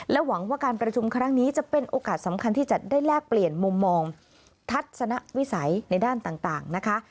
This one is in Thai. หวังว่าการประชุมครั้งนี้จะเป็นโอกาสสำคัญที่จะได้แลกเปลี่ยนมุมมองทัศนวิสัยในด้านต่างนะคะ